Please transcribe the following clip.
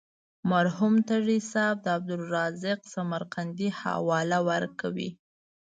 مرحوم تږی صاحب د عبدالرزاق سمرقندي حواله ورکوي.